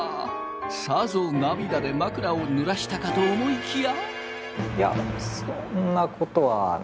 さぞ涙で枕をぬらしたかと思いきや。